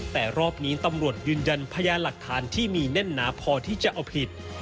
แต่รอบนี้ตำรวจยืนยันพยานหลักฐานที่มีแน่นหนาพอที่จะเอาผิด